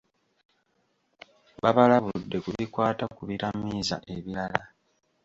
Babalabudde ku bikwata ku bitamiiza ebirala.